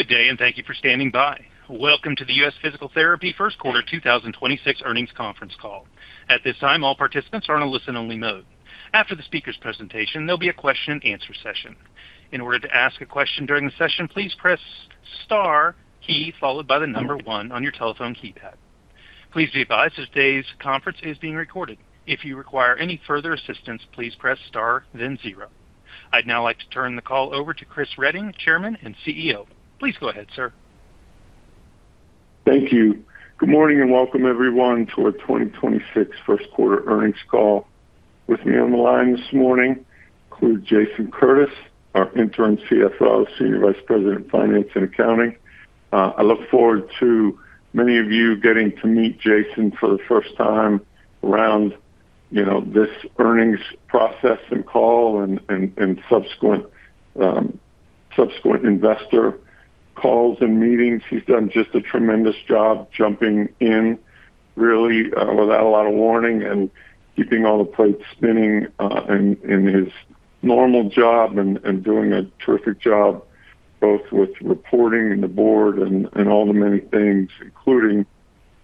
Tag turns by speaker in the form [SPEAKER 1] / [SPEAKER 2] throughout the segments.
[SPEAKER 1] Good day, and thank you for standing by. Welcome to the U.S. Physical Therapy first quarter 2026 earnings conference call. At this time, all participants are in a listen-only mode. After the speaker's presentation, there'll be a question-and-answer session. In order to ask a question during the session, please press star key followed by the number one on your telephone keypad. Please be advised this day's conference is being recorded. If you require any further assistance, please press star then zero. I'd now like to turn the call over to Chris Reading, Chairman and CEO. Please go ahead, sir.
[SPEAKER 2] Thank you. Good morning and welcome everyone to our 2026 first quarter earnings call. With me on the line this morning include Jason Curtis, our Interim CFO, Senior Vice President of Finance and Accounting. I look forward to many of you getting to meet Jason for the first time around, you know, this earnings process and call and subsequent investor calls and meetings. He's done just a tremendous job jumping in really without a lot of warning and keeping all the plates spinning in his normal job and doing a terrific job both with reporting and the Board and all the many things, including,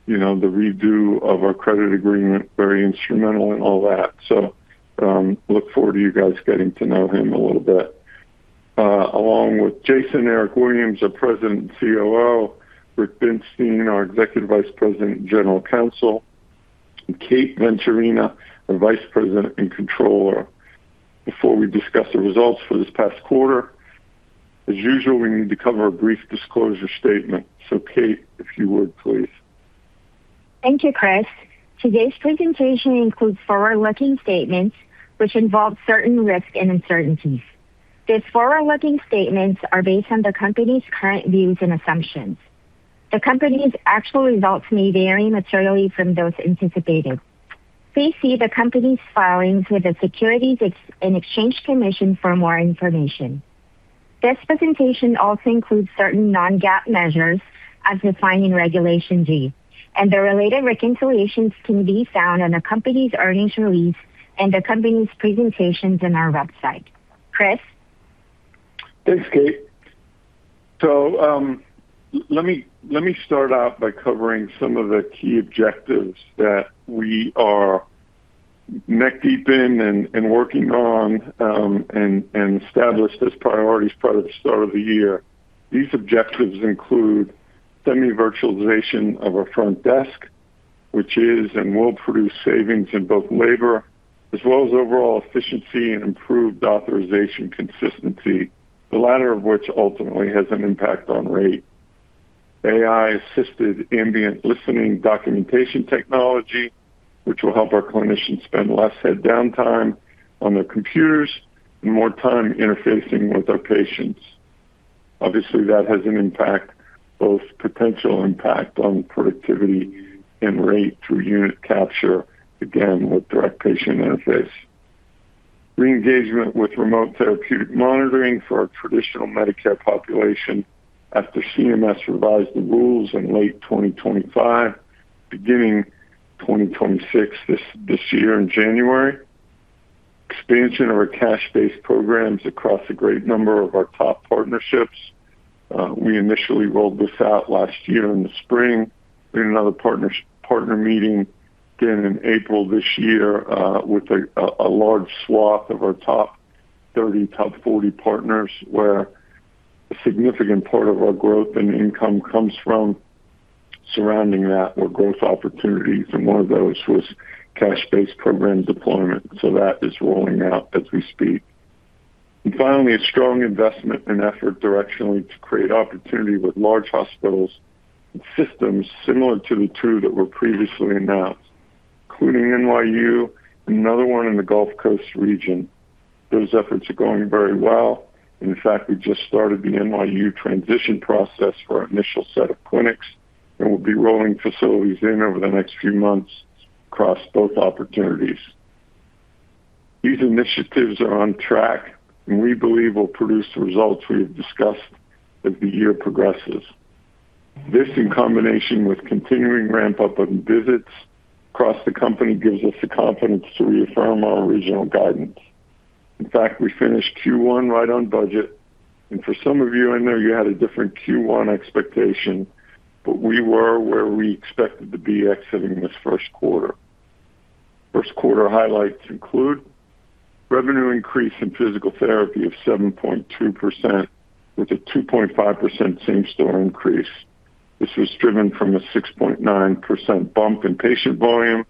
[SPEAKER 2] you know, the redo of our credit agreement, very instrumental in all that. Look forward to you guys getting to know him a little bit. Along with Jason, Eric Williams, our President and COO, Rick Binstein, our Executive Vice President and General Counsel, and Kate Venturina, our Vice President and Controller. Before we discuss the results for this past quarter, as usual, we need to cover a brief disclosure statement. Kate, if you would, please.
[SPEAKER 3] Thank you, Chris. Today's presentation includes forward-looking statements which involve certain risks and uncertainties. These forward-looking statements are based on the company's current views and assumptions. The company's actual results may vary materially from those anticipated. Please see the company's filings with the Securities and Exchange Commission for more information. This presentation also includes certain non-GAAP measures as defined in Regulation G, and the related reconciliations can be found on the company's earnings release and the company's presentations on our website. Chris?
[SPEAKER 2] Thanks, Kate. Let me start out by covering some of the key objectives that we are neck deep in and working on and established as priorities prior to the start of the year. These objectives include semi-virtualization of our front desk, which is and will produce savings in both labor as well as overall efficiency and improved authorization consistency, the latter of which ultimately has an impact on rate. AI-assisted ambient listening documentation technology, which will help our clinicians spend less head downtime on their computers and more time interfacing with our patients. Obviously, that has an impact, both potential impact on productivity and rate through unit capture, again, with direct patient interface. Re-engagement with remote therapeutic monitoring for our traditional Medicare population after CMS revised the rules in late 2025, beginning 2026 this year in January. Expansion of our cash-based programs across a great number of our top partnerships. We initially rolled this out last year in the spring. We had another partner meeting again in April this year, with a large swath of our top 30, top 40 partners, where a significant part of our growth and income comes from surrounding that or growth opportunities, and one of those was cash-based program deployment. That is rolling out as we speak. Finally, a strong investment and effort directionally to create opportunity with large hospitals and systems similar to the two that were previously announced, including NYU and another one in the Gulf Coast region. Those efforts are going very well, and in fact, we just started the NYU transition process for our initial set of clinics, and we'll be rolling facilities in over the next few months across both opportunities. These initiatives are on track, and we believe will produce the results we have discussed as the year progresses. This, in combination with continuing ramp-up of visits across the company, gives us the confidence to reaffirm our original guidance. In fact, we finished Q1 right on budget. For some of you, I know you had a different Q1 expectation, but we were where we expected to be exiting this first quarter. First quarter highlights include revenue increase in physical therapy of 7.2% with a 2.5% same-store increase. This was driven from a 6.9% bump in patient volume,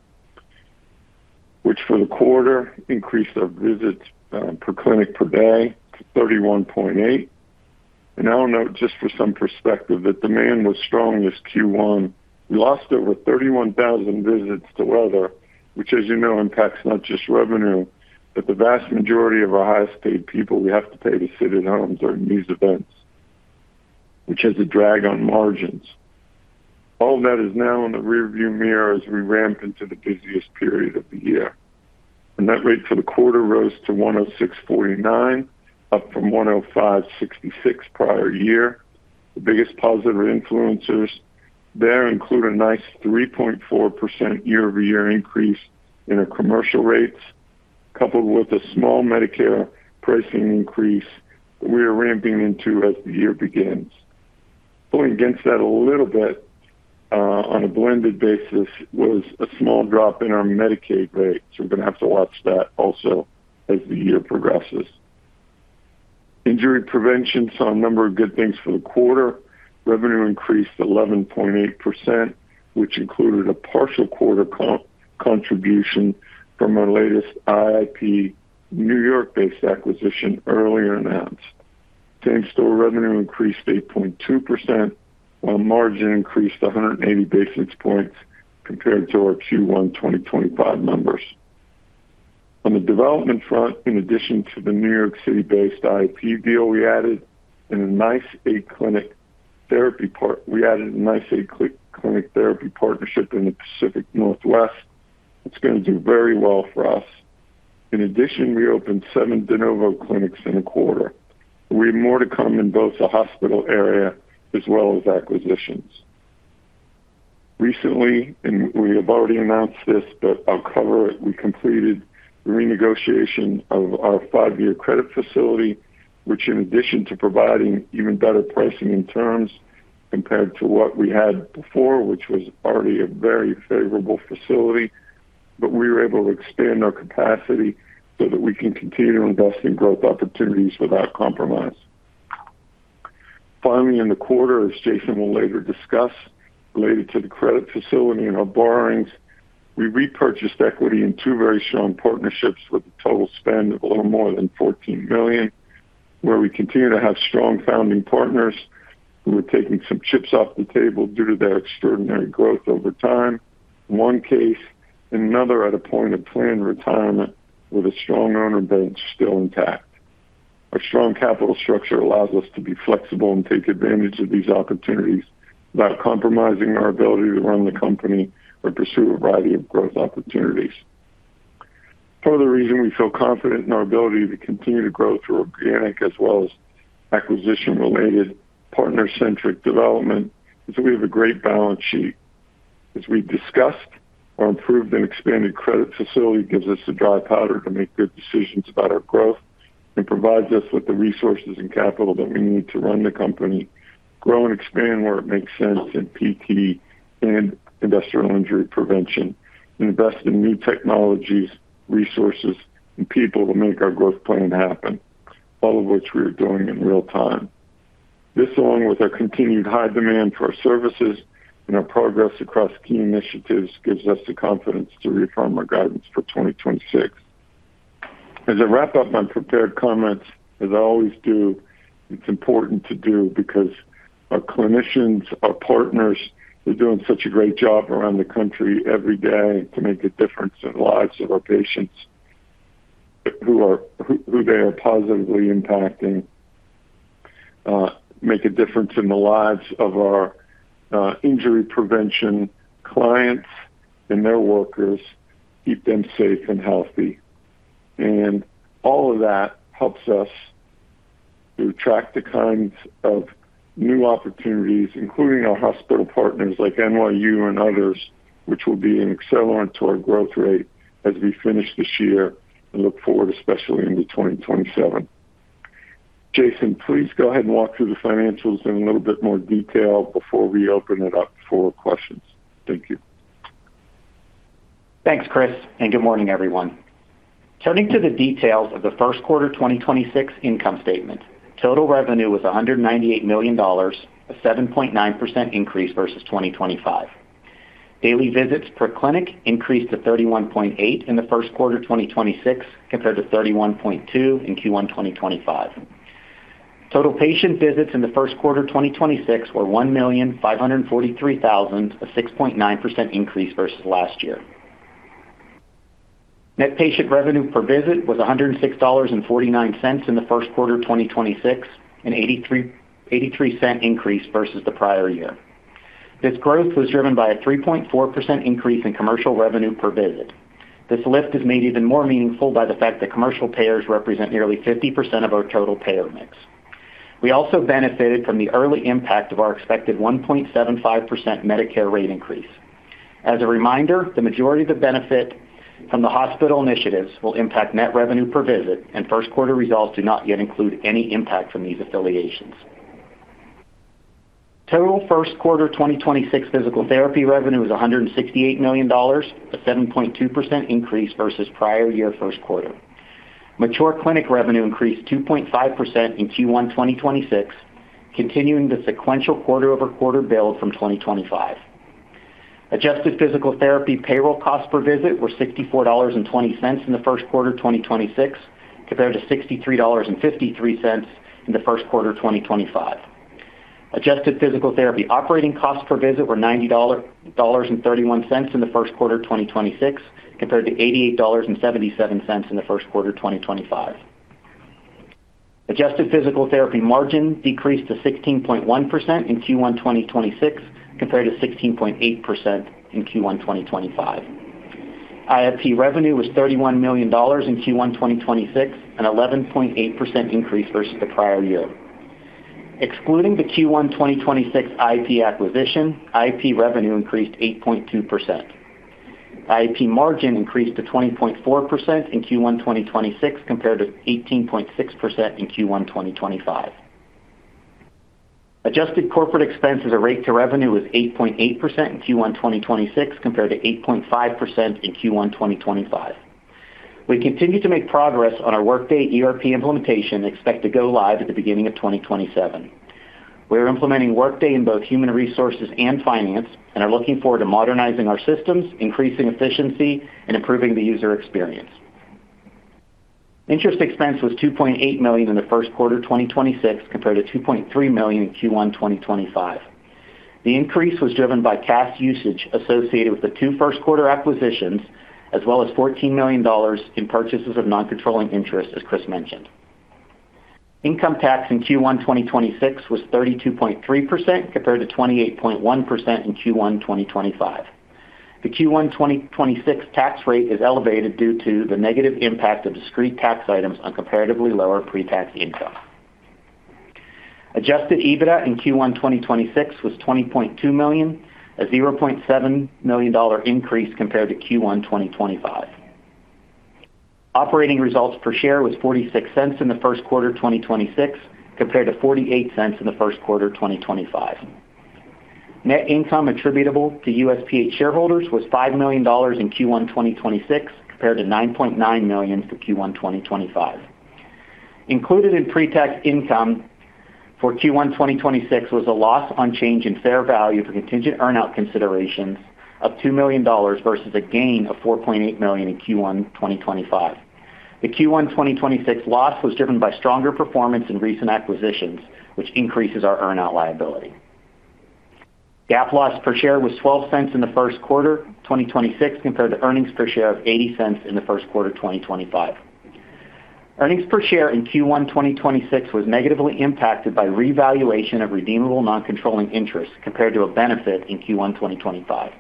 [SPEAKER 2] which for the quarter increased our visits per clinic per day to 31.8. I'll note just for some perspective that demand was strong this Q1. We lost over 31,000 visits to weather, which, as you know, impacts not just revenue, but the vast majority of our highest paid people we have to pay to sit at home during these events, which has a drag on margins. All that is now in the rearview mirror as we ramp into the busiest period of the year. The net rate for the quarter rose to $106.49, up from $105.66 prior year. The biggest positive influencers there include a nice 3.4% year-over-year increase in our commercial rates. Coupled with a small Medicare pricing increase we are ramping into as the year begins. Going against that a little bit, on a blended basis was a small drop in our Medicaid rates. We're gonna have to watch that also as the year progresses. Injury prevention saw a number of good things for the quarter. Revenue increased 11.8%, which included a partial quarter contribution from our latest IIP New York-based acquisition earlier announced. Same-store revenue increased 8.2%, while margin increased 180 basis points compared to our Q1 2025 numbers. On the development front, in addition to the New York City-based IIP deal we added a nice eight-clinic therapy partnership in the Pacific Northwest. It's gonna do very well for us. In addition, we opened seven de novo clinics in the quarter. We have more to come in both the hospital area as well as acquisitions. Recently, and we have already announced this, but I'll cover it, we completed the renegotiation of our five-year credit facility, which in addition to providing even better pricing and terms compared to what we had before, which was already a very favorable facility, but we were able to expand our capacity so that we can continue investing growth opportunities without compromise. Finally, in the quarter, as Jason will later discuss, related to the credit facility and our borrowings, we repurchased equity in two very strong partnerships with a total spend of a little more than $14 million, where we continue to have strong founding partners who are taking some chips off the table due to their extraordinary growth over time. One case and another at a point of planned retirement with a strong owner bench still intact. Our strong capital structure allows us to be flexible and take advantage of these opportunities without compromising our ability to run the company or pursue a variety of growth opportunities. Part of the reason we feel confident in our ability to continue to grow through organic as well as acquisition-related partner-centric development is that we have a great balance sheet. As we've discussed, our improved and expanded credit facility gives us the dry powder to make good decisions about our growth and provides us with the resources and capital that we need to run the company, grow and expand where it makes sense in PT and industrial injury prevention, invest in new technologies, resources, and people to make our growth plan happen, all of which we are doing in real time. This, along with our continued high demand for our services and our progress across key initiatives, gives us the confidence to reaffirm our guidance for 2026. As I wrap up my prepared comments, as I always do, it's important to do because our clinicians, our partners, they're doing such a great job around the country every day to make a difference in the lives of our patients who they are positively impacting, make a difference in the lives of our injury prevention clients and their workers, keep them safe and healthy. All of that helps us to attract the kinds of new opportunities, including our hospital partners like NYU and others, which will be an accelerant to our growth rate as we finish this year and look forward, especially into 2027. Jason, please go ahead and walk through the financials in a little bit more detail before we open it up for questions. Thank you.
[SPEAKER 4] Thanks, Chris, and good morning, everyone. Turning to the details of the first quarter 2026 income statement, total revenue was $198 million, a 7.9% increase versus 2025. Daily visits per clinic increased to 31.8 in the first quarter 2026 compared to 31.2 in Q1 2025. Total patient visits in the first quarter 2026 were 1,543,000, a 6.9% increase versus last year. Net patient revenue per visit was $106.49 in the first quarter 2026, an $0.83 increase versus the prior year. This growth was driven by a 3.4% increase in commercial revenue per visit. This lift is made even more meaningful by the fact that commercial payers represent nearly 50% of our total payer mix. We also benefited from the early impact of our expected 1.75% Medicare rate increase. As a reminder, the majority of the benefit from the hospital initiatives will impact net revenue per visit, and first quarter results do not yet include any impact from these affiliations. Total first quarter 2026 physical therapy revenue was $168 million, a 7.2% increase versus prior year first quarter. Mature clinic revenue increased 2.5% in Q1 2026, continuing the sequential quarter-over-quarter build from 2025. Adjusted physical therapy payroll costs per visit were $64.20 in the first quarter 2026, compared to $63.53 in the first quarter 2025. Adjusted physical therapy operating costs per visit were $90.31 in the first quarter 2026, compared to $88.77 in the first quarter 2025. Adjusted physical therapy margin decreased to 16.1% in Q1 2026, compared to 16.8% in Q1 2025. IIP revenue was $31 million in Q1 2026, an 11.8% increase versus the prior year. Excluding the Q1 2026 IIP acquisition, IIP revenue increased 8.2%. IIP margin increased to 20.4% in Q1 2026 compared to 18.6% in Q1 2025. Adjusted corporate expenses at rate to revenue was 8.8% in Q1 2026 compared to 8.5% in Q1 2025. We continue to make progress on our Workday ERP implementation and expect to go live at the beginning of 2027. We are implementing Workday in both human resources and finance and are looking forward to modernizing our systems, increasing efficiency, and improving the user experience. Interest expense was $2.8 million in the first quarter 2026 compared to $2.3 million in Q1 2025. The increase was driven by cash usage associated with the two first quarter acquisitions as well as $14 million in purchases of non-controlling interest, as Chris mentioned. Income tax in Q1 2026 was 32.3% compared to 28.1% in Q1 2025. The Q1 2026 tax rate is elevated due to the negative impact of discrete tax items on comparatively lower pre-tax income. Adjusted EBITDA in Q1 2026 was $20.2 million, a $0.7 million increase compared to Q1 2025. Operating results per share was $0.46 in the first quarter 2026 compared to $0.48 in the first quarter 2025. Net income attributable to USPH shareholders was $5 million in Q1 2026 compared to $9.9 million for Q1 2025. Included in pre-tax income for Q1 2026 was a loss on change in fair value for contingent earn-out considerations of $2 million versus a gain of $4.8 million in Q1 2025. The Q1 2026 loss was driven by stronger performance in recent acquisitions, which increases our earn-out liability. GAAP loss per share was $0.12 in the first quarter 2026 compared to earnings per share of $0.80 in the first quarter 2025. Earnings per share in Q1 2026 was negatively impacted by revaluation of redeemable non-controlling interest compared to a benefit in Q1 2025.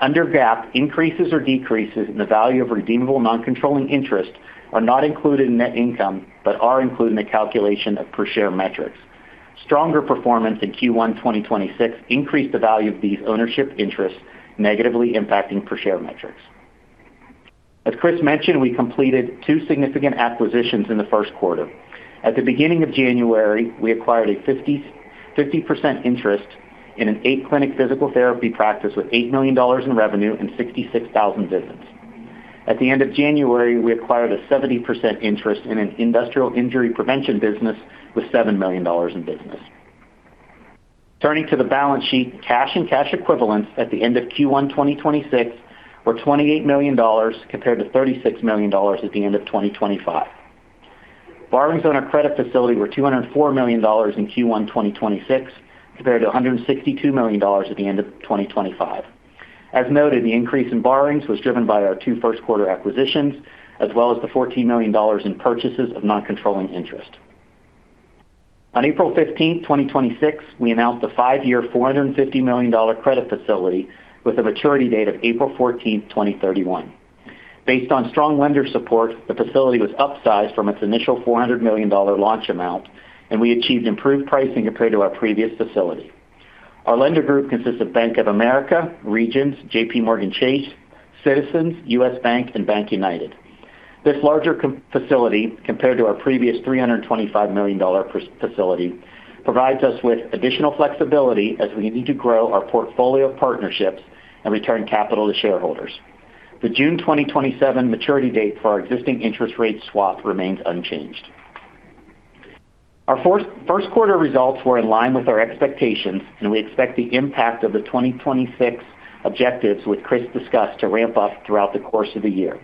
[SPEAKER 4] Under GAAP, increases or decreases in the value of redeemable non-controlling interest are not included in net income but are included in the calculation of per share metrics. Stronger performance in Q1 2026 increased the value of these ownership interests, negatively impacting per share metrics. As Chris mentioned, we completed two significant acquisitions in the first quarter. At the beginning of January, we acquired a 50% interest in an eight-clinic physical therapy practice with $8 million in revenue and 66,000 visits. At the end of January, we acquired a 70% interest in an industrial injury prevention business with $7 million in business. Turning to the balance sheet, cash and cash equivalents at the end of Q1 2026 were $28 million compared to $36 million at the end of 2025. Borrowings on our credit facility were $204 million in Q1 2026 compared to $162 million at the end of 2025. As noted, the increase in borrowings was driven by our two first quarter acquisitions as well as the $14 million in purchases of non-controlling interest. On April 15th, 2026, we announced a five-year $450 million credit facility with a maturity date of April 14th, 2031. Based on strong lender support, the facility was upsized from its initial $400 million launch amount, and we achieved improved pricing compared to our previous facility. Our lender group consists of Bank of America, Regions, JPMorgan Chase, Citizens, U.S. Bank, and BankUnited. This larger facility, compared to our previous $325 million facility, provides us with additional flexibility as we need to grow our portfolio of partnerships and return capital to shareholders. The June 2027 maturity date for our existing interest rate swap remains unchanged. Our first quarter results were in line with our expectations, and we expect the impact of the 2026 objectives, which Chris discussed, to ramp up throughout the course of the year.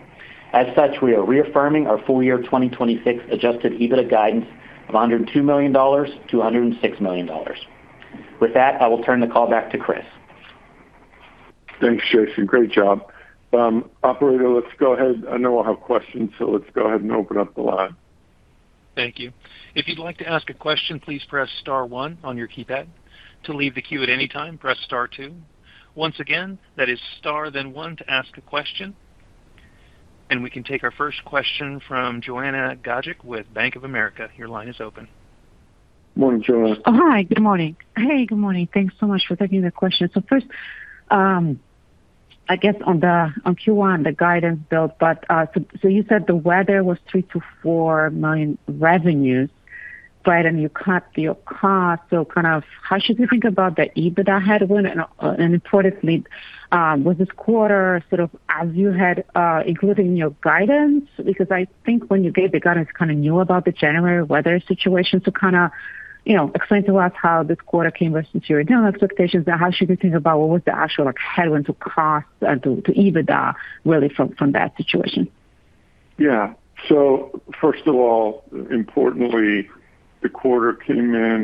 [SPEAKER 4] As such, we are reaffirming our full-year 2026 adjusted EBITDA guidance of $102 million-$106 million. With that, I will turn the call back to Chris.
[SPEAKER 2] Thanks, Jason. Great job. Operator, let's go ahead. I know we'll have questions. Let's go ahead and open up the line.
[SPEAKER 1] Thank you. If you'd like to ask a question, please press star one on your keypad. To leave the queue at any time, press star two. Once again, that is star then one to ask a question. We can take our first question from Joanna Gajuk with Bank of America. Your line is open.
[SPEAKER 2] Morning, Joanna.
[SPEAKER 5] Hi. Good morning. Hey, good morning. Thanks so much for taking the question. First, I guess on Q1, the guidance build. You said the weather was $3 million-$4 million revenues, right? You cut your cost. Kind of how should we think about the EBITDA headwind? Importantly, was this quarter sort of as you had included in your guidance? Because I think when you gave the guidance, kind of knew about the January weather situation. Kind of, you know, explain to us how this quarter came versus your internal expectations, and how should we think about what was the actual like headwind to cost, to EBITDA really from that situation?
[SPEAKER 2] Yeah. First of all, importantly, the quarter came in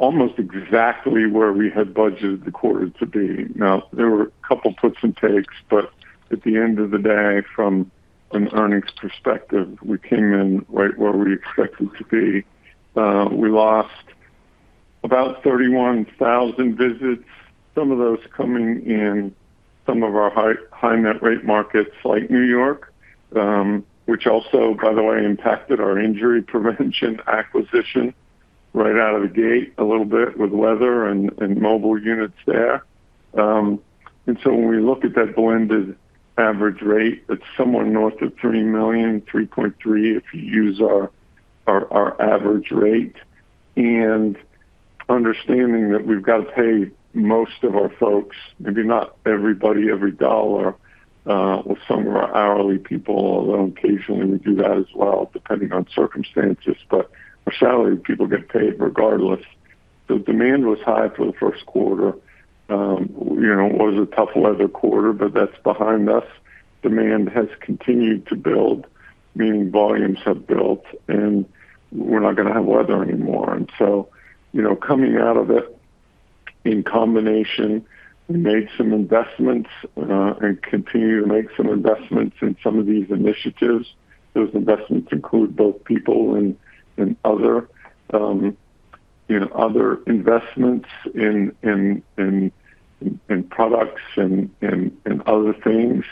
[SPEAKER 2] almost exactly where we had budgeted the quarter to be. Now, there were a couple puts and takes, but at the end of the day, from an earnings perspective, we came in right where we expected to be. We lost about 31,000 visits, some of those coming in some of our high, high net rate markets like New York, which also, by the way, impacted our injury prevention acquisition right out of the gate a little bit with weather and mobile units there. When we look at that blended average rate, it's somewhat north of $3 million, $3.3 million, if you use our average rate. Understanding that we've got to pay most of our folks, maybe not everybody every dollar, with some of our hourly people, although occasionally we do that as well, depending on circumstances. Our salaried people get paid regardless. The demand was high for the first quarter. You know, it was a tough weather quarter, but that's behind us. Demand has continued to build, meaning volumes have built, and we're not gonna have weather anymore. You know, coming out of it in combination, we made some investments, and continue to make some investments in some of these initiatives. Those investments include both people and other, you know, other investments in products and other things.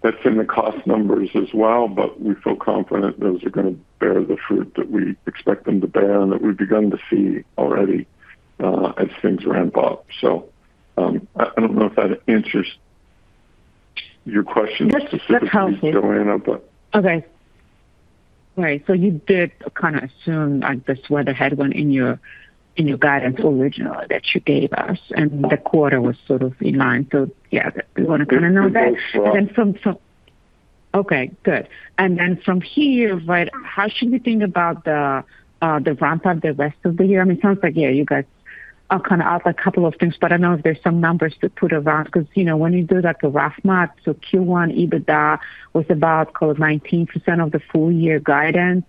[SPEAKER 2] That's in the cost numbers as well, but we feel confident those are gonna bear the fruit that we expect them to bear and that we've begun to see already, as things ramp up. I don't know if that answers your question specifically.
[SPEAKER 5] That helps, yes.
[SPEAKER 2] Joanna, but.
[SPEAKER 5] Okay. All right. You did kinda assume, like, this weather had went in your, in your guidance originally that you gave us, and the quarter was sort of in line. Yeah, we wanna kinda know that.
[SPEAKER 2] It goes well.
[SPEAKER 5] Okay, good. And then from here, right, how should we think about the ramp up the rest of the year? I mean, it sounds like, yeah, you guys are kinda up a couple of things, but I don't know if there's some numbers to put around because, you know, when you do like a rough math, Q1 EBITDA was about, call it, 19% of the full-year guidance.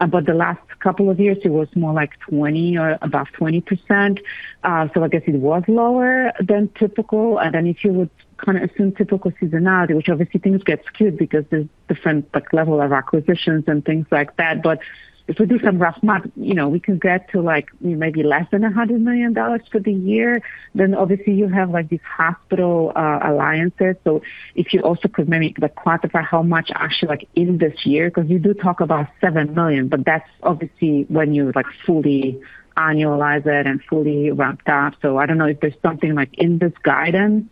[SPEAKER 5] The last couple of years, it was more like 20% or above 20%. I guess it was lower than typical. If you would kinda assume typical seasonality, which obviously things get skewed because there's different, like, level of acquisitions and things like that. If we do some rough math, you know, we can get to like, maybe less than $100 million for the year. Obviously you have, like, these hospital alliances. If you also could maybe, like, quantify how much actually, like, in this year, because you do talk about $7 million, but that's obviously when you, like, fully annualize it and fully ramped up. I don't know if there's something, like, in this guidance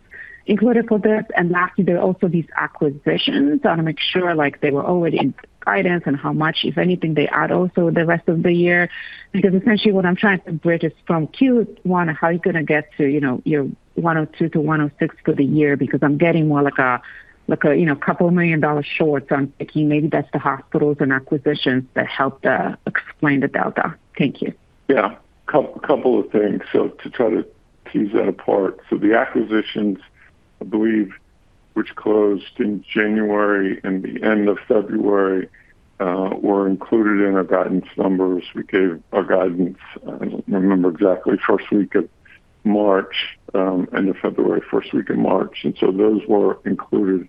[SPEAKER 5] included for this. Lastly, there are also these acquisitions. I wanna make sure, like, they were already in guidance and how much, if anything, they add also the rest of the year. Essentially what I'm trying to bridge is from Q1, how are you gonna get to, you know, your $102 million-$106 million for the year? Because I'm getting more like a, like a, you know, couple million dollar short. I'm thinking maybe that's the hospitals and acquisitions that help explain the delta. Thank you.
[SPEAKER 2] Yeah. Couple of things to try to tease that apart. The acquisitions, I believe, which closed in January and the end of February, were included in our guidance numbers. We gave our guidance, I don't remember exactly, first week of March, end of February, first week of March. Those were included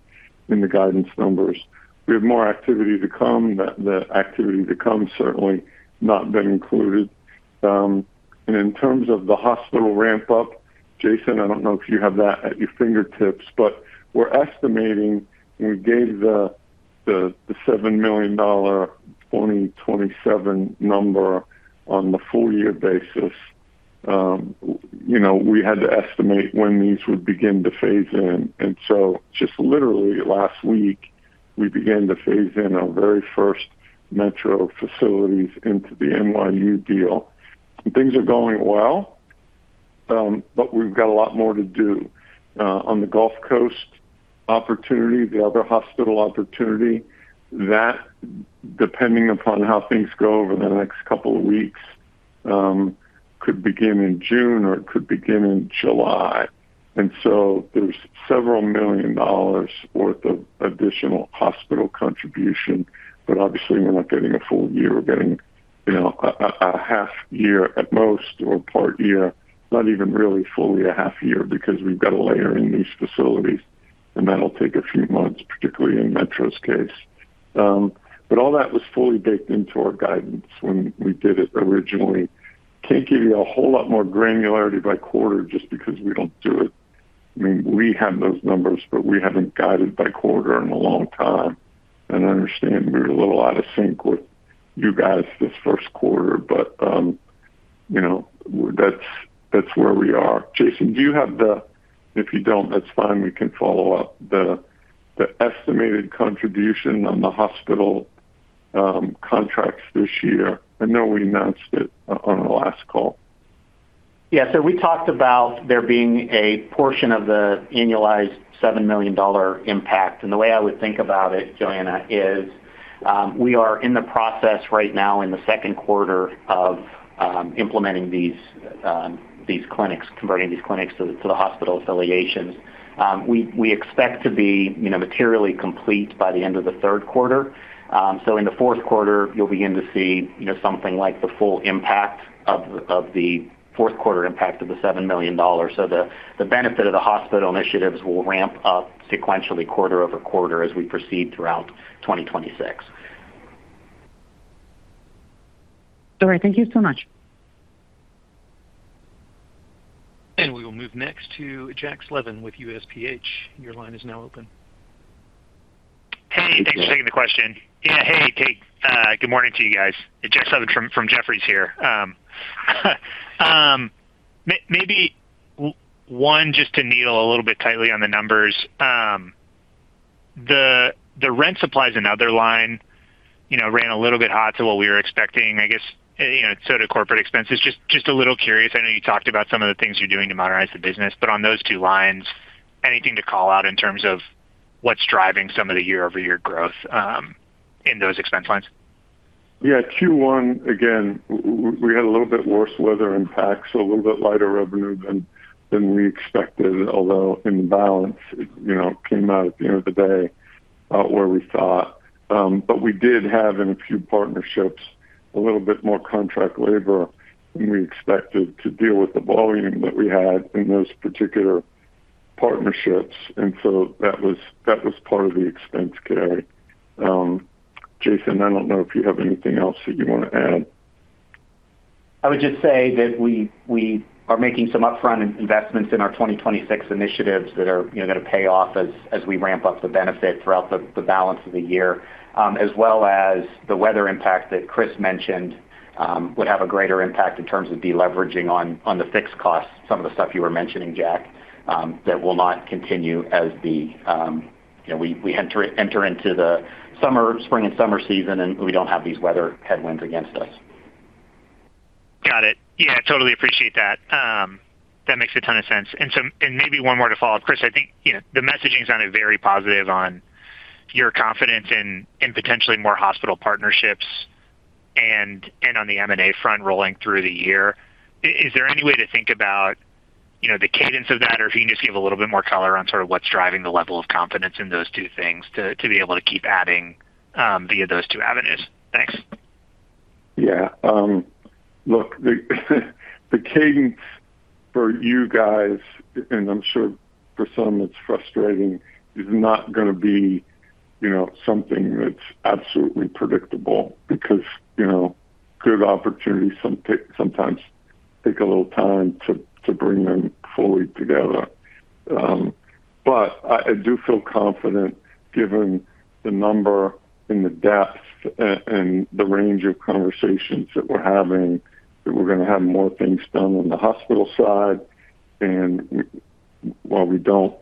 [SPEAKER 2] in the guidance numbers. We have more activity to come. The activity to come certainly not been included. In terms of the hospital ramp up, Jason, I don't know if you have that at your fingertips, but we're estimating, we gave the $7 million 2027 number on the full year basis. You know, we had to estimate when these would begin to phase in. Just literally last week, we began to phase in our very first Metro facilities into the NYU deal. Things are going well, but we've got a lot more to do. On the Gulf Coast opportunity, the other hospital opportunity, that, depending upon how things go over the next couple of weeks, could begin in June or it could begin in July. There's several million dollars worth of additional hospital contribution. Obviously, we're not getting a full year. We're getting, you know, a half year at most or part year, not even really fully a half year because we've got to layer in these facilities and that'll take a few months, particularly in Metro's case. All that was fully baked into our guidance when we did it originally. Can't give you a whole lot more granularity by quarter just because we don't do it. I mean, we have those numbers, but we haven't guided by quarter in a long time. I understand we're a little out of sync with you guys this first quarter, but, you know, that's where we are. Jason, if you have the... If you don't, that's fine. We can follow up the estimated contribution on the hospital, contracts this year. I know we announced it on the last call.
[SPEAKER 4] Yeah. We talked about there being a portion of the annualized $7 million impact. The way I would think about it, Joanna, is, we are in the process right now in the second quarter of implementing these clinics, converting these clinics to the hospital affiliations. We expect to be, you know, materially complete by the end of the third quarter. In the fourth quarter, you'll begin to see, you know, something like the full impact of the fourth quarter impact of the $7 million. The benefit of the hospital initiatives will ramp up sequentially quarter over quarter as we proceed throughout 2026.
[SPEAKER 5] All right. Thank you so much.
[SPEAKER 1] We will move next to Jack Slevin with USPH. Your line is now open.
[SPEAKER 6] Hey, thanks for taking the question. Yeah. Hey, Kate. Good morning to you guys. It's Jack Slevin from Jefferies here. Maybe one, just to needle a little bit tightly on the numbers. The rent supplies and other line, you know, ran a little bit hot to what we were expecting. I guess, you know, sort of corporate expenses. Just a little curious. I know you talked about some of the things you're doing to modernize the business, on those two lines, anything to call out in terms of what's driving some of the year-over-year growth in those expense lines?
[SPEAKER 2] Yeah. Q1, again, we had a little bit worse weather impacts, a little bit lighter revenue than we expected, although in balance it, you know, came out at the end of the day, where we thought. We did have in a few partnerships a little bit more contract labor than we expected to deal with the volume that we had in those particular partnerships. That was part of the expense carry. Jason, I don't know if you have anything else that you wanna add.
[SPEAKER 4] I would just say that we are making some upfront investments in our 2026 initiatives that are, you know, gonna pay off as we ramp up the benefit throughout the balance of the year, as well as the weather impact that Chris mentioned, would have a greater impact in terms of deleveraging on the fixed costs, some of the stuff you were mentioning, Jack, that will not continue as, you know, we enter into the summer, spring and summer season, and we don't have these weather headwinds against us.
[SPEAKER 6] Got it. Yeah, totally appreciate that. That makes a ton of sense. Maybe one more to follow up. Chris, I think, you know, the messaging's sounded very positive on your confidence in potentially more hospital partnerships and on the M&A front rolling through the year. Is there any way to think about, you know, the cadence of that? Or if you can just give a little bit more color on sort of what's driving the level of confidence in those two things to be able to keep adding via those two avenues. Thanks.
[SPEAKER 2] Yeah. Look, the cadence for you guys, and I'm sure for some it's frustrating, is not gonna be, you know, something that's absolutely predictable because, you know, good opportunities sometimes take a little time to bring them fully together. But I do feel confident given the number and the depth and the range of conversations that we're having, that we're gonna have more things done on the hospital side. While we don't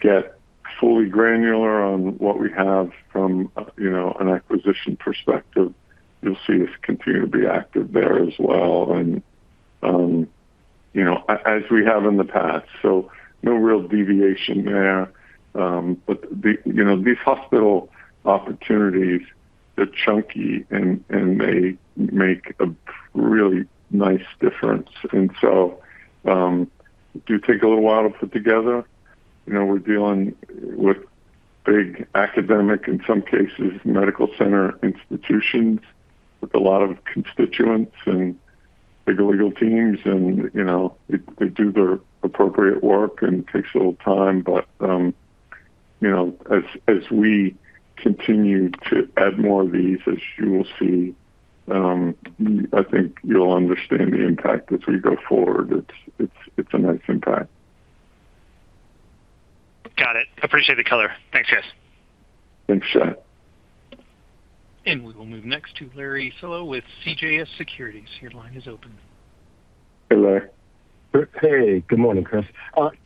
[SPEAKER 2] get fully granular on what we have from, you know, an acquisition perspective, you'll see us continue to be active there as well and, you know, as we have in the past. No real deviation there. You know, these hospital opportunities, they're chunky and they make a really nice difference. Do take a little while to put together. You know, we're dealing with big academic, in some cases medical center institutions with a lot of constituents and big legal teams and, you know, it, they do their appropriate work and takes a little time. You know, as we continue to add more of these, as you will see, I think you'll understand the impact as we go forward. It's a nice impact.
[SPEAKER 6] Got it. Appreciate the color. Thanks, guys.
[SPEAKER 2] Thanks, Jack.
[SPEAKER 1] We will move next to Larry Solow with CJS Securities. Your line is open.
[SPEAKER 2] Hey, Larry.
[SPEAKER 7] Hey. Good morning, Chris. Just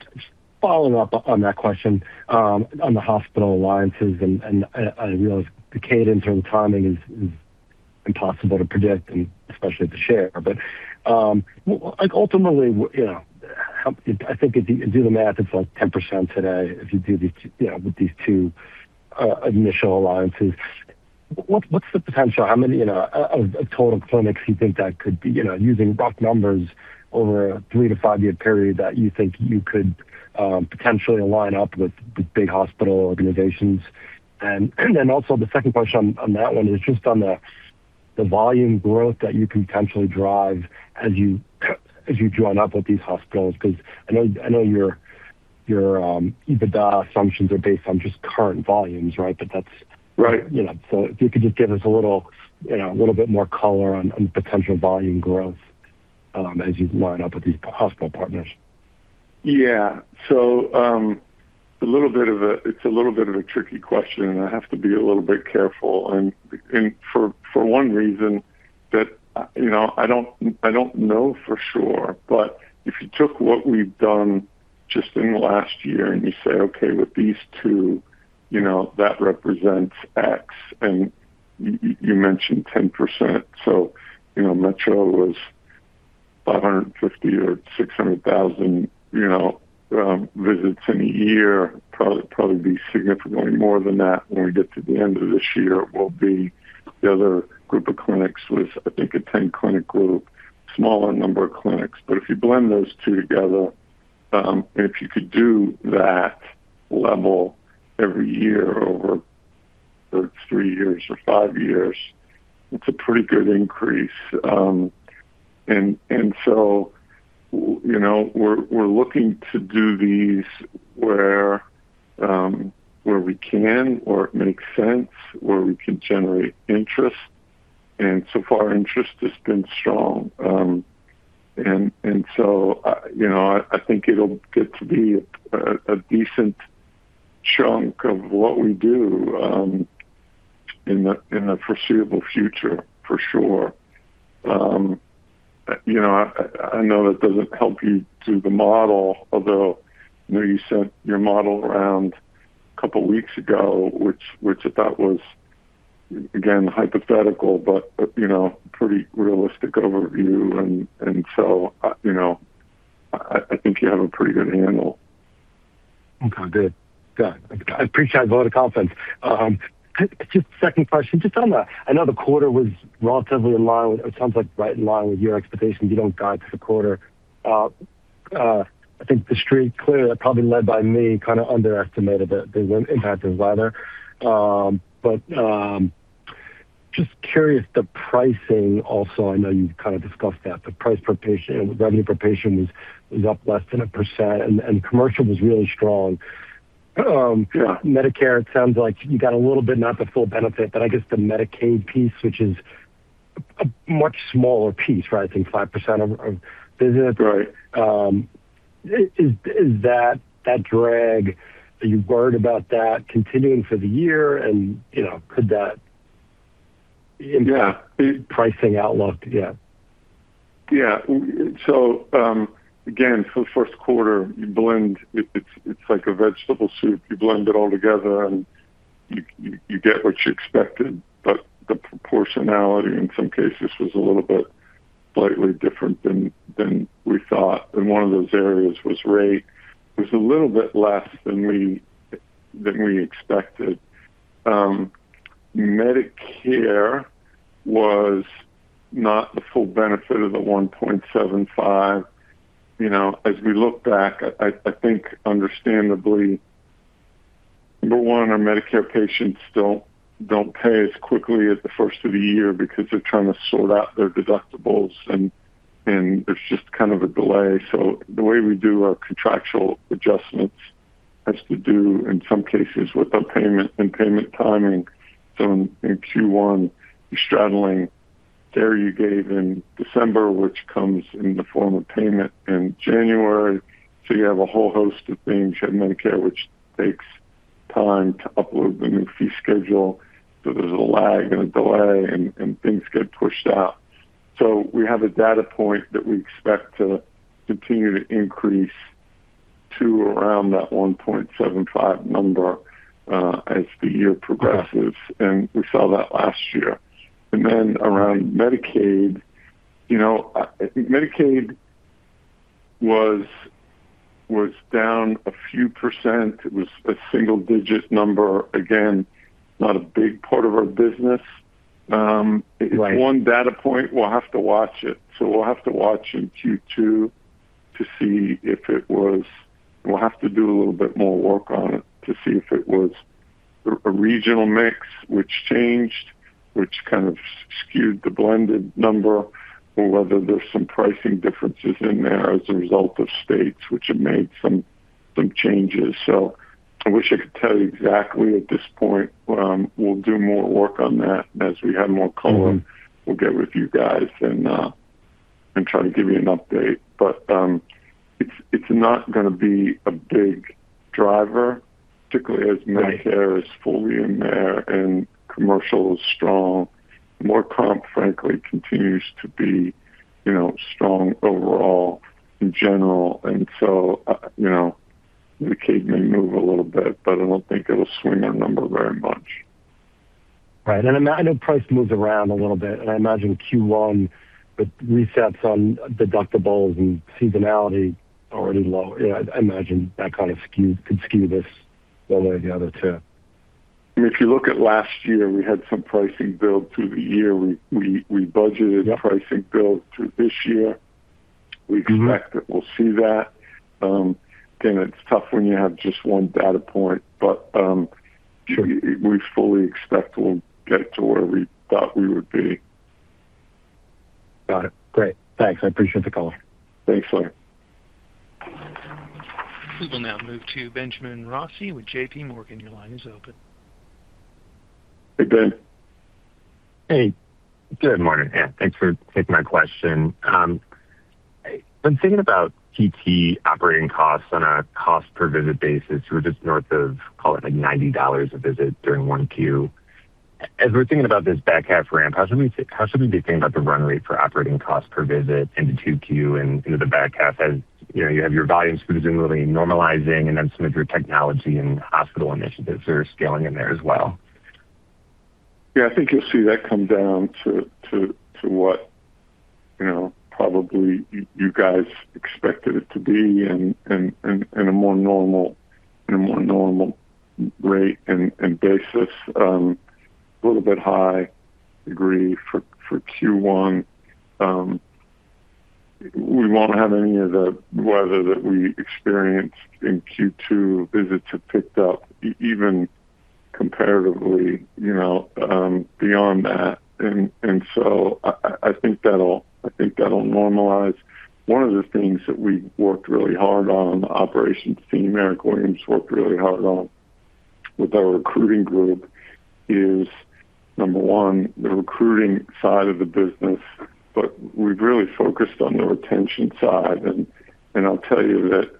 [SPEAKER 7] following up on that question, on the hospital alliances and I realize the cadence and timing is impossible to predict and especially to share. Well, like ultimately, you know, how I think if you do the math, it's like 10% today if you do these, you know, with these two initial alliances. What's the potential? How many, you know, of total clinics do you think that could be, you know, using rough numbers over a three- to five-year period that you think you could potentially align up with the big hospital organizations? Also the second question on that one is just on the volume growth that you can potentially drive as you join up with these hospitals. Because I know your EBITDA assumptions are based on just current volumes, right?
[SPEAKER 2] Right.
[SPEAKER 7] You know. If you could just give us a little, you know, a little bit more color on potential volume growth as you line up with these hospital partners.
[SPEAKER 2] Yeah. It's a little bit of a tricky question. I have to be a little bit careful for one reason that, you know, I don't, I don't know for sure. But if you took what we've done just in the last year and you say, okay, with these two, you know, that represents X, and you mentioned 10%. You know, Metro was 550,000 or 600,000, you know, visits in a year. Probably be significantly more than that when we get to the end of this year. It will be the other group of clinics with, I think, a 10-clinic group, smaller number of clinics. If you blend those two together, if you could do that level every year over three years or five years, it's a pretty good increase. So, you know, we're looking to do these where we can or it makes sense, where we can generate interest, and so far interest has been strong. So, you know, I think it'll get to be a decent chunk of what we do in the foreseeable future for sure. You know, I know that doesn't help you do the model, although, you know, you sent your model around a couple of weeks ago, which I thought was, again, hypothetical, but, you know, pretty realistic overview. So, you know, I think you have a pretty good handle.
[SPEAKER 7] Okay. Good. Got it. I appreciate a lot of confidence. Just second question, just on the I know the quarter was relatively in line with, or it sounds like right in line with your expectations. You don't guide for the quarter. I think the street clearly, probably led by me, kind of underestimated the impact of weather. Just curious the pricing also, I know you've kind of discussed that, the price per patient, revenue per patient was up less than 1% and commercial was really strong.
[SPEAKER 2] Yeah.
[SPEAKER 7] Medicare, it sounds like you got a little bit, not the full benefit, but I guess the Medicaid piece, which is a much smaller piece, right, I think 5% of business.
[SPEAKER 2] Right.
[SPEAKER 7] Is that a drag, are you worried about that continuing for the year?
[SPEAKER 2] Yeah.
[SPEAKER 7] Pricing outlook again?
[SPEAKER 2] Yeah. Again, for the first quarter, you blend, it's like a vegetable soup. You blend it all together, you get what you expected. The proportionality in some cases was a little bit slightly different than we thought. One of those areas was rate. It was a little bit less than we expected. Medicare was not the full benefit of the 1.75%. You know, as we look back, I think understandably, number one, our Medicare patients still don't pay as quickly at the first of the year because they're trying to sort out their deductibles, there's just kind of a delay. The way we do our contractual adjustments has to do in some cases with a payment and payment timing. In Q1, you're straddling care you gave in December, which comes in the form of payment in January. You have a whole host of things at Medicare, which takes time to upload the new fee schedule. There's a lag and a delay and things get pushed out. We have a data point that we expect to continue to increase to around that 1.75% number as the year progresses. We saw that last year. Around Medicaid, you know, I think Medicaid was down a few percent. It was a single digit number. Again, not a big part of our business.
[SPEAKER 7] Right.
[SPEAKER 2] It's one data point. We'll have to watch it. So we'll have to watch in Q2 to see if it was, we'll have to do a little bit more work on it to see if it was a regional mix which changed, which kind of skewed the blended number, or whether there's some pricing differences in there as a result of states which have made some changes. I wish I could tell you exactly at this point. We'll do more work on that as we have more color. We'll get with you guys and try to give you an update. It's not gonna be a big driver, particularly as Medicare.
[SPEAKER 7] Right.
[SPEAKER 2] Is fully in there and commercial is strong. Work comp, frankly, continues to be, you know, strong overall in general. You know, Medicaid may move a little bit, but I don't think it'll swing our number very much.
[SPEAKER 7] Right. I know price moves around a little bit, and I imagine Q1 with resets on deductibles and seasonality already low, yeah, I imagine that kind of skew could skew this one way or the other too.
[SPEAKER 2] If you look at last year, we had some pricing build through the year. We budgeted.
[SPEAKER 7] Yeah.
[SPEAKER 2] Our pricing build through this year. We expect that we'll see that. Again, it's tough when you have just one data point.
[SPEAKER 7] Sure.
[SPEAKER 2] But we fully expect we'll get to where we thought we would be.
[SPEAKER 7] Got it. Great. Thanks. I appreciate the color.
[SPEAKER 2] Thanks, Larry.
[SPEAKER 1] We will now move to Benjamin Rossi with JPMorgan. Your line is open.
[SPEAKER 2] Hey, Ben.
[SPEAKER 8] Hey, good morning. Yeah, thanks for taking my question. I've been thinking about PT operating costs on a cost per visit basis. We're just north of, call it like $90 a visit during 1Q. As we're thinking about this back half ramp, how should we be thinking about the run rate for operating costs per visit into 2Q and into the back half as, you know, you have your volume smoothly normalizing and then some of your technology and hospital initiatives that are scaling in there as well?
[SPEAKER 2] Yeah. I think you'll see that come down to what, you know, probably you guys expected it to be in a more normal rate and basis. A little bit high degree for Q1. We won't have any of the weather that we experienced in Q2. Visits have picked up even comparatively, you know, beyond that. I think that'll normalize. One of the things that we worked really hard on, the operations team, Eric Williams worked really hard on with our recruiting group, is number one, the recruiting side of the business, but we've really focused on the retention side. I'll tell you that,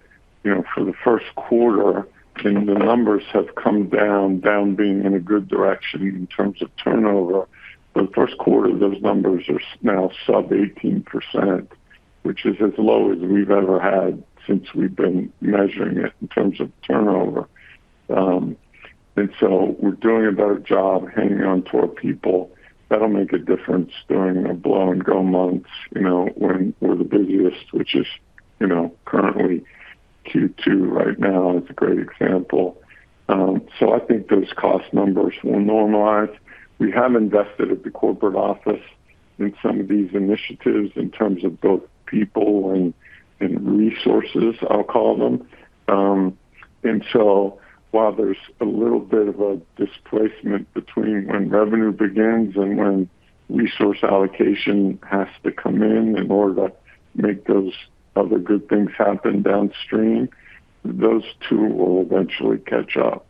[SPEAKER 2] you know, for the first quarter, and the numbers have come down being in a good direction in terms of turnover. For the first quarter, those numbers are now sub 18%, which is as low as we've ever had since we've been measuring it in terms of turnover. We're doing a better job hanging on to our people. That'll make a difference during the blow-and-go months, you know, when we're the busiest, which is, you know, currently Q2 right now is a great example. I think those cost numbers will normalize. We have invested at the corporate office in some of these initiatives in terms of both people and resources, I'll call them. While there's a little bit of a displacement between when revenue begins and when resource allocation has to come in in order to make those other good things happen downstream, those two will eventually catch up.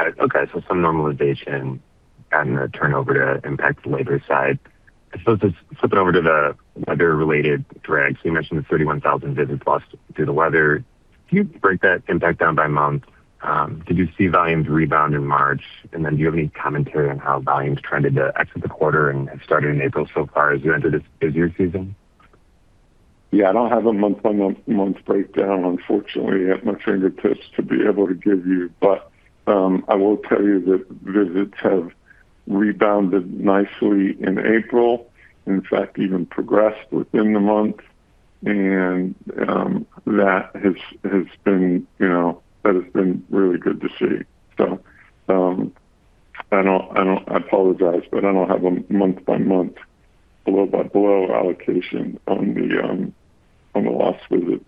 [SPEAKER 8] Okay. Some normalization and the turnover to impact the labor side. I suppose just flip it over to the weather-related drag. You mentioned the 31,000 visits lost due to weather. Can you break that impact down by month? Did you see volumes rebound in March? Do you have any commentary on how volumes trended, exit the quarter and have started in April so far as you entered this busier season?
[SPEAKER 2] I don't have a month-on-month breakdown, unfortunately, at my fingertips to be able to give you. But I will tell you that visits have rebounded nicely in April, in fact, even progressed within the month. That has been, you know, that has been really good to see. I don't, I apologize, but I don't have a month-by-month below-by-below allocation on the lost visits.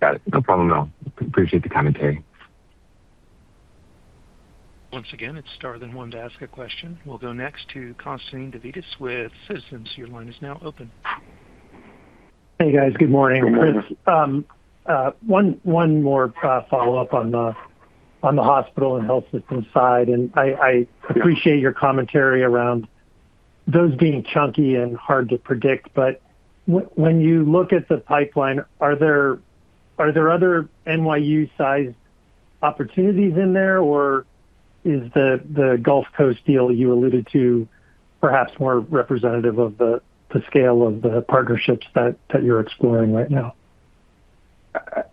[SPEAKER 8] Got it. No problem, though. Appreciate the commentary.
[SPEAKER 1] Once again, it's star then one to ask a question. We'll go next to Constantine Davides with Citizens. Your line is now open.
[SPEAKER 9] Hey, guys. Good morning.
[SPEAKER 2] Good morning.
[SPEAKER 9] Chris, one more follow-up on the hospital and health system side. I appreciate your commentary around those being chunky and hard to predict, but when you look at the pipeline, are there other NYU-sized opportunities in there, or is the Gulf Coast deal you alluded to perhaps more representative of the scale of the partnerships that you're exploring right now?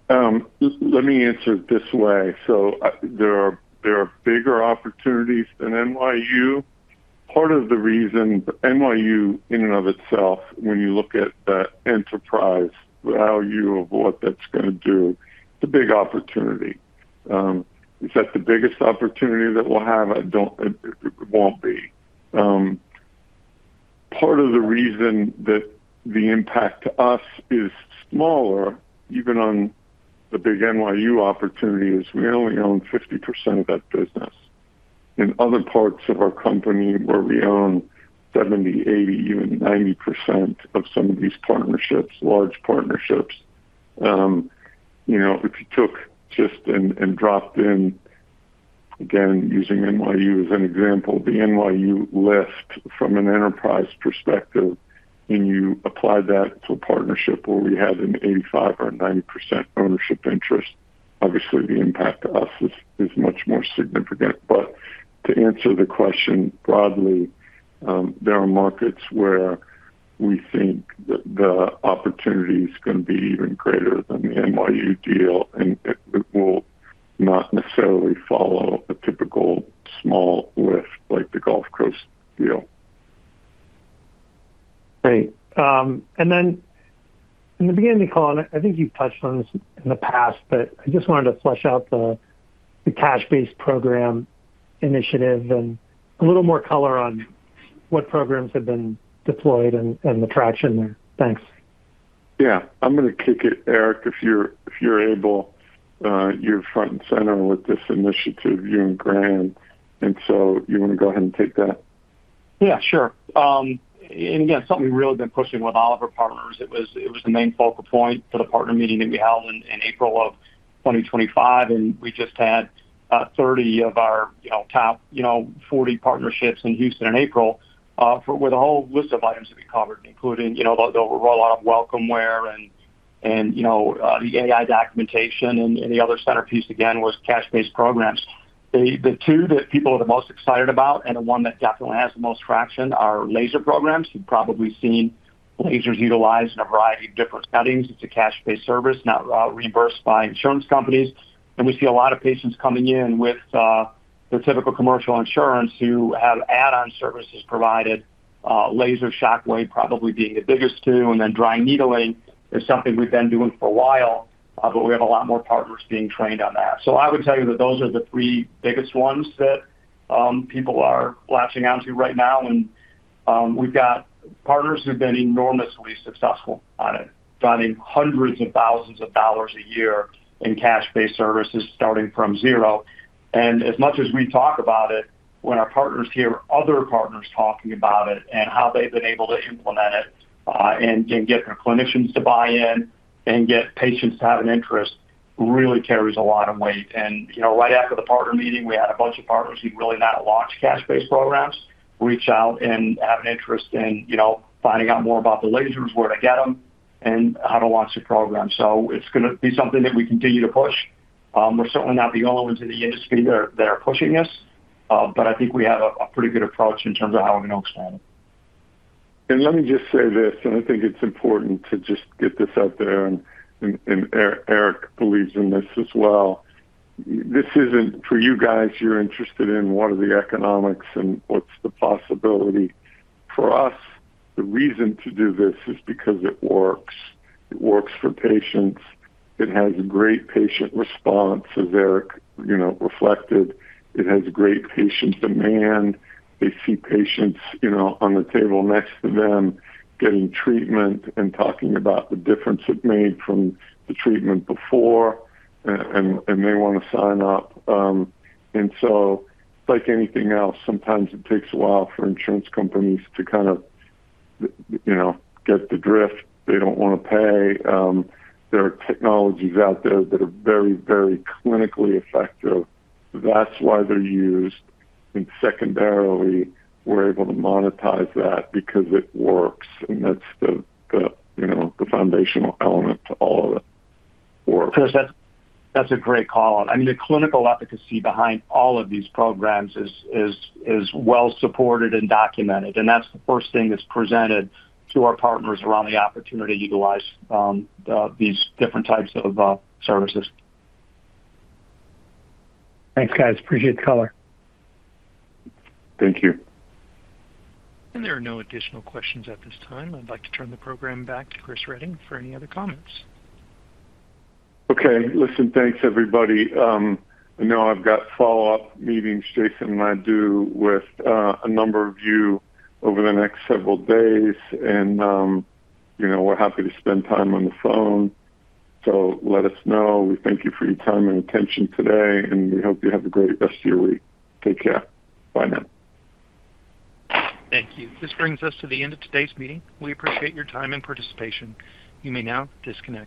[SPEAKER 2] Let me answer it this way. There are bigger opportunities than NYU. Part of the reason NYU in and of itself, when you look at the enterprise value of what that's gonna do, it's a big opportunity. Is that the biggest opportunity that we'll have? It won't be. Part of the reason that the impact to us is smaller, even on the big NYU opportunity, is we only own 50% of that business. In other parts of our company where we own 70%, 80%, even 90% of some of these partnerships, large partnerships, you know, if you took just and dropped in, again, using NYU as an example, the NYU lift from an enterprise perspective, and you apply that to a partnership where we have an 85% or 90% ownership interest, obviously the impact to us is much more significant. To answer the question broadly, there are markets where we think the opportunity is gonna be even greater than the NYU deal, and it will not necessarily follow a typical small lift like the Gulf Coast deal.
[SPEAKER 9] Great. In the beginning call, I think you've touched on this in the past, I just wanted to flesh out the cash-based program initiative and a little more color on what programs have been deployed and the traction there. Thanks.
[SPEAKER 2] Yeah. I'm gonna kick it, Eric, if you're able. You're front and center with this initiative, you and Grant. So you wanna go ahead and take that?
[SPEAKER 10] Yeah, sure. Again, something we've really been pushing with all of our partners. It was the main focal point for the partner meeting that we held in April of 2025, and we just had 30 of our, you know, top, you know, 40 partnerships in Houston in April for with a whole list of items to be covered, including, you know, the rollout of WelcomeWare and the AI documentation and the other centerpiece again was cash-based programs. The two that people are the most excited about and the one that definitely has the most traction are laser programs. You've probably seen lasers utilized in a variety of different settings. It's a cash-based service, not reimbursed by insurance companies. We see a lot of patients coming in with their typical commercial insurance who have add-on services provided, laser shockwave probably being the biggest two, and then dry needling is something we've been doing for a while, but we have a lot more partners being trained on that. I would tell you that those are the three biggest ones that people are latching onto right now and we've got partners who have been enormously successful on it, driving hundreds of thousands of dollars a year in cash-based services starting from zero. As much as we talk about it, when our partners hear other partners talking about it and how they've been able to implement it, and get their clinicians to buy in and get patients to have an interest really carries a lot of weight. You know, right after the partner meeting, we had a bunch of partners who'd really not launched cash-based programs reach out and have an interest in, you know, finding out more about the lasers, where to get them, and how to launch a program. It's gonna be something that we continue to push. We're certainly not the only ones in the industry that are pushing this, but I think we have a pretty good approach in terms of how we're gonna expand it.
[SPEAKER 2] Let me just say this, I think it's important to just get this out there, Eric believes in this as well. This isn't for you guys. You're interested in what are the economics and what's the possibility. For us, the reason to do this is because it works. It works for patients. It has great patient response, as Eric, you know, reflected. It has great patient demand. They see patients, you know, on the table next to them getting treatment and talking about the difference it made from the treatment before, they wanna sign up. Like anything else, sometimes it takes a while for insurance companies to kind of, you know, get the drift. They don't wanna pay. There are technologies out there that are very clinically effective. That's why they're used. Secondarily, we're able to monetize that because it works, and that's the, you know, the foundational element to all of it.
[SPEAKER 10] Chris, that's a great call. I mean, the clinical efficacy behind all of these programs is well supported and documented, and that's the first thing that's presented to our partners around the opportunity to utilize these different types of services.
[SPEAKER 9] Thanks, guys. Appreciate the color.
[SPEAKER 2] Thank you.
[SPEAKER 1] There are no additional questions at this time. I'd like to turn the program back to Chris Reading for any other comments.
[SPEAKER 2] Okay. Listen, thanks, everybody. I know I've got follow-up meetings Jason and I do with a number of you over the next several days and, you know, we're happy to spend time on the phone. Let us know. We thank you for your time and attention today, and we hope you have a great rest of your week. Take care. Bye now.
[SPEAKER 1] Thank you. This brings us to the end of today's meeting. We appreciate your time and participation. You may now disconnect.